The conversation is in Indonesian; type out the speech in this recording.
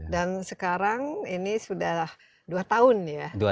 dan sekarang ini sudah dua tahun ya